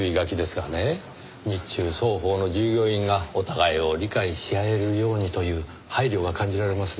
日中双方の従業員がお互いを理解し合えるようにという配慮が感じられますね。